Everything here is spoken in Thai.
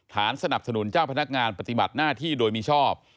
สนับสนุนเจ้าพนักงานปฏิบัติหน้าที่โดยมิชอบ